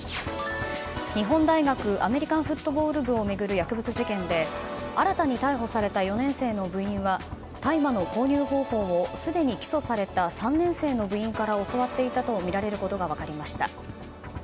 日本大学アメリカンフットボール部を巡る薬物事件で新たに逮捕された４年生の部員は大麻の購入方法をすでに起訴された３年生の部員から教わっていたとみられることが分かりました。